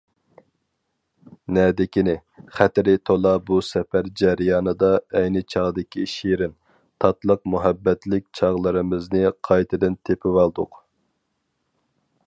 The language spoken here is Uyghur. نەدىكىنى، خەتىرى تولا بۇ سەپەر جەريانىدا ئەينى چاغدىكى شېرىن، تاتلىق مۇھەببەتلىك چاغلىرىمىزنى قايتىدىن تېپىۋالدۇق.